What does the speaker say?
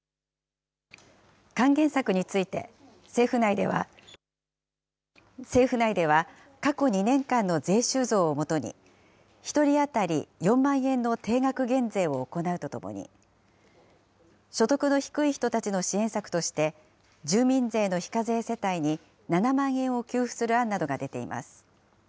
還元策について、政府内では、過去２年間の税収増をもとに、１人当たり４万円の定額減税を行うとともに、所得の低い人たちの支援策として、住民税の非課税世帯に７万円を給付する案などが出ています。